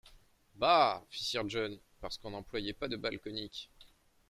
Bah ! fit sir John, parce qu’on n’employait pas de balles coniques !